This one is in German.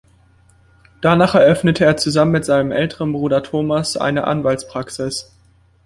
Danach eröffnete er zusammen mit seinem älteren Bruder Thomas eine Anwaltspraxis.